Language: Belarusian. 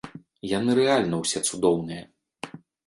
Яны рэальна ўсе цудоўныя!